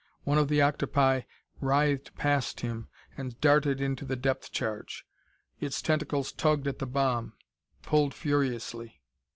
One of the octopi writhed past him and darted onto the depth charge. Its tentacles tugged at the bomb; pulled furiously.